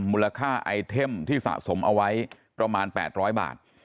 มูลค่าไอเทมที่สะสมเอาไว้ประมาณ๘๐๐บาท